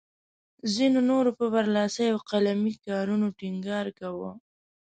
ځینو نورو پر برلاسي او قلمي کارونو ټینګار کاوه.